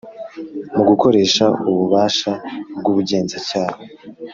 Mu gukoresha ububasha bw ubugenzacyaha